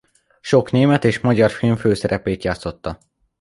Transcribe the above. Sok német és magyar film főszerepét játszotta.